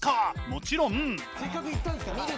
もちろん。